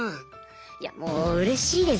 いやもううれしいですよ